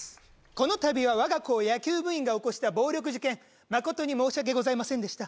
このたびは我が校野球部員が起こした暴力事件誠に申し訳ございませんでした